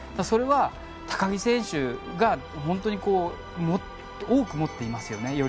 それは高木選手が本当に多く持っていますよね。